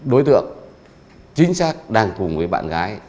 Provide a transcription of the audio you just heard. đối tượng chính xác đang cùng bạn gái